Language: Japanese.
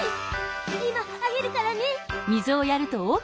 いまあげるからね。